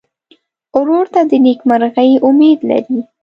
ورور ته د نېکمرغۍ امید لرې.